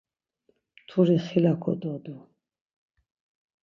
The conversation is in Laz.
Mturi xila kododu.